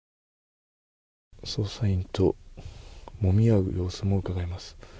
捜査員ともみ合う様子もうかがえます。